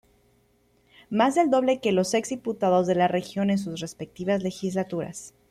Más del doble que los ex diputados de la región en sus respectivas legislaturas.